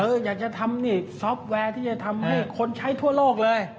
อยากจะทำนี่ซอฟต์แวร์ที่จะทำให้คนใช้ทั่วโลกเลย